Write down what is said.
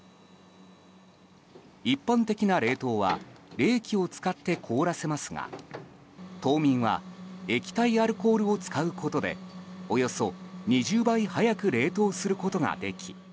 一般的な冷凍は冷気を使って凍らせますが凍眠は液体アルコールを使うことでおよそ２０倍速く冷凍することができ